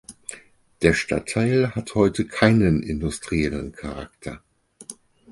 Der Stadtteil hat heute keinen industriellen Charakter.